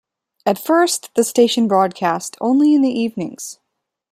At first, the station broadcast only in the evenings.